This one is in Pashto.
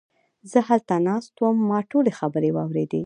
زه هلته ناست وم، ما ټولې خبرې واوريدې!